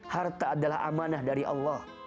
harta adalah amanah dari allah